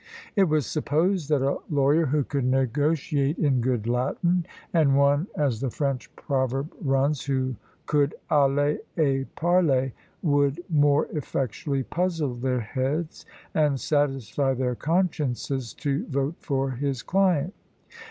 It was supposed that a lawyer who could negotiate in good Latin, and one, as the French proverb runs, who could aller et parler, would more effectually puzzle their heads, and satisfy their consciences to vote for his client.